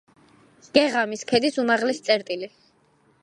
გეღამის ქედის უმაღლესი წერტილი.